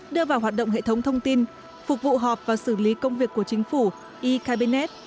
đưa vào hoạt động hệ thống thông tin phục vụ họp và xử lý công việc của chính phủ e cabinet